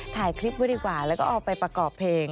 ถ่ายคลิปไว้ดีกว่าแล้วก็เอาไปประกอบเพลง